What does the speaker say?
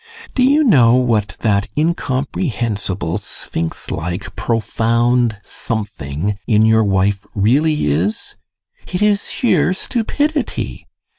Do you know what that incomprehensible, sphinx like, profound something in your wife really is? It is sheer stupidity!